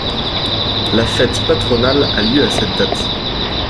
La fête patronale a lieu à cette date.